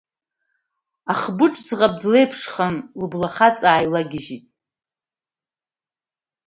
Ахбыџь ӡӷаб длеиԥшхан, лыблахаҵ ааилагьежьит.